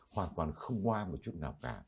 hoàn toàn không hoa một chút nào cả